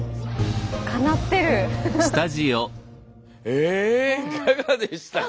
えいかがでしたか？